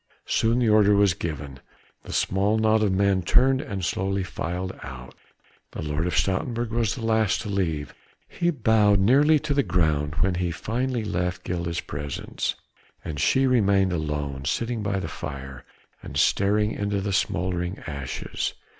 Soon the order was given. The small knot of men turned and slowly filed out. The Lord of Stoutenburg was the last to leave. He bowed nearly to the ground when he finally left Gilda's presence. And she remained alone, sitting by the fire, and staring into the smouldering ashes.